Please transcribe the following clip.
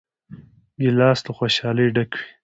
ګیلاس له خوشحالۍ ډک وي.